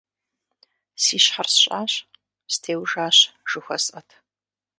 Си щхьэр сщӀащ – «стеужащ» жыхуэсӀэт.